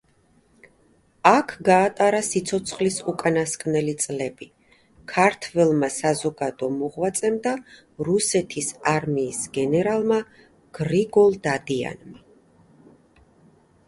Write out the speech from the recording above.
აქ გაატარა სიცოცხლის უკანასკნელი წლები ქართველმა საზოგადო მოღვაწემ და რუსეთის არმიის გენერალმა გრიგოლ დადიანმა.